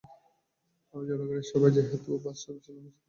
জনগণের সেবায় যেহেতু বাস সার্ভিস চালু হয়েছে, প্রয়োজনে বাস বাড়ানো হবে।